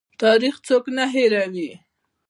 تاریخ څوک نه هیروي؟